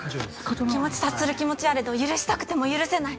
「お気持ち察する気持ちはあれど許したくても許せない！」。